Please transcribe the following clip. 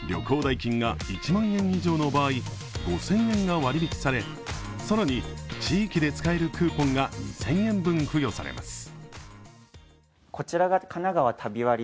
旅行代金が１万円以上の場合、５０００円が割引され、更に地域で使えるクーポンが２０００円分付与されます。